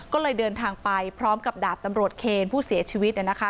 ก็เลยเดินทางไปพร้อมกับดาบตำรวจเคนผู้เสียชีวิต